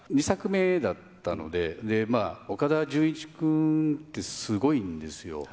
２作目だったので、まあ、岡田准一くんってすごいんですよ。